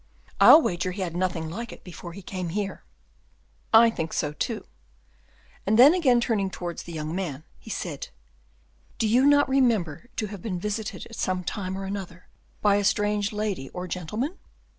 "I'll wager he had nothing like it before he came here." "I think so, too." And then again turning towards the young man, he said, "Do you not remember to have been visited at some time or another by a strange lady or gentleman?"